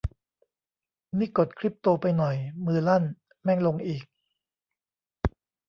นี่กดคริปโตไปหน่อย มือลั่น แม่งลงอีก